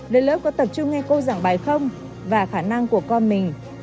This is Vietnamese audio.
đến lớp có tập trung nghe cô giảng bài không và khả năng của con mình